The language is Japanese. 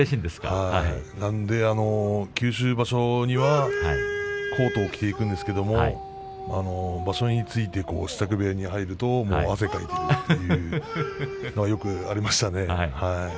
なので九州場所にはコートを着ていくんですけれど場所について支度部屋に入ると汗をかいているというそれはよくありましたね。